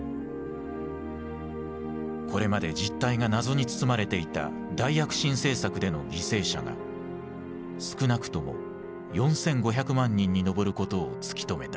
これまで実態が謎に包まれていた大躍進政策での犠牲者が少なくとも４，５００万人に上ることを突き止めた。